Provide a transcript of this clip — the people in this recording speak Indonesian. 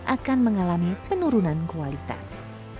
akan mengalami penurunan kualitas